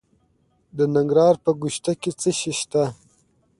د ننګرهار په ګوشته کې څه شی شته؟